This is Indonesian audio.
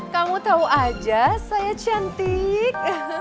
kamu tahu aja saya cantik